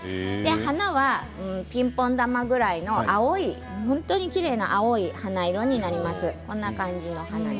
花はピンポン球ぐらいのきれいな青い花色になります。